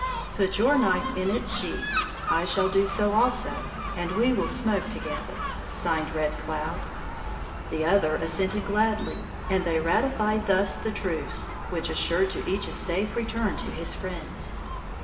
"Put your knife in its sheath. I shall do so also, and we will smoke together," signed Red Cloud. The other assented gladly, and they ratified thus the truce which assured to each a safe return to his friends.